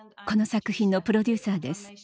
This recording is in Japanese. この作品のプロデューサーです。